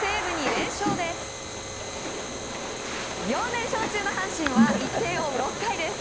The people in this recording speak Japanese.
４連勝中の阪神は１点を追う６回です。